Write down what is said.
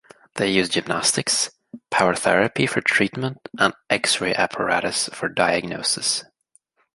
They used gymnastics, powertherapy for treatment and X-ray apparatus for diagnosis.